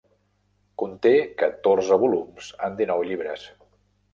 Conté catorze volums en dinou llibres.